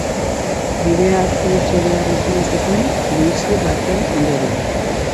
Bidea atzo itxi behar izan zuten, luizi baten ondorioz.